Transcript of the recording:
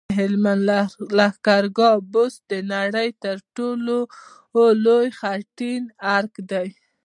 د هلمند لښکرګاه بست د نړۍ تر ټولو لوی خټین ارک دی